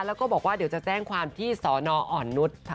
แล้วก็บอกว่าเดี๋ยวจะแจ้งความที่สอนออ่อนนุษย์